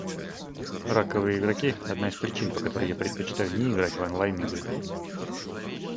Раковые игроки — одна из причин, по которой я предпочитаю не играть в онлайн-игры.